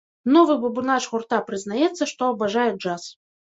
Новы бубнач гурта прызнаецца, што абажае джаз.